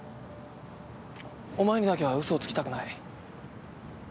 お前にだけは嘘をつきたくない。